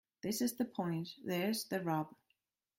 This is the point. There's the rub.